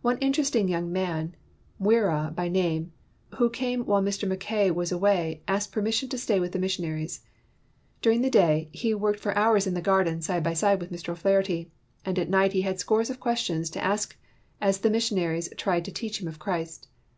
One interesting young man, Mwira by name, who came while Mr. Mackay was away, asked permission to stay with the mis sionaries. During the da}^, he worked for hours in the garden side by side with Mr. O 'Flaherty; and at night, he had scores of questions to ask as the missionary tried to teach him of Christ.